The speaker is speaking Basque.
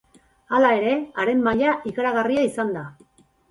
Hala ere, haren maila ikaragarria izan da.